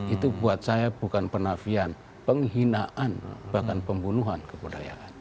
itu buat saya bukan penafian penghinaan bahkan pembunuhan kebudayaan